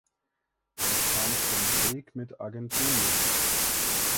Es kam zum Krieg mit Argentinien.